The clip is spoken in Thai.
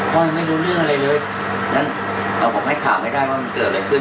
ยังไม่รู้เรื่องอะไรเลยแล้วเราก็ให้ข่าวไม่ได้ว่ามันเกิดอะไรขึ้น